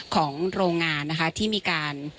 ของโรงงานนะคะที่มีการ